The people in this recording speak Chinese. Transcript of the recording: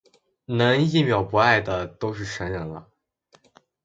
能一秒不爱的都是神人了